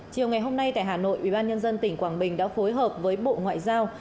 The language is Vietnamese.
chiều ngày hôm nay tại hà nội ubnd tỉnh quảng bình đã phối hợp với bộ ngoại giao